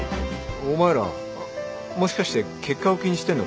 お前らもしかして結果を気にしてんのか？